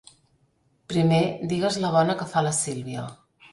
Primer digues la bona que —fa la Sílvia.